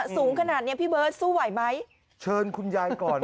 สูงขนาดเนี้ยพี่เบิร์ตสู้ไหวไหมเชิญคุณยายก่อน